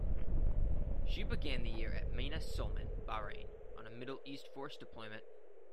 She began the year at Mina Sulman, Bahrain, on a Middle East Force deployment.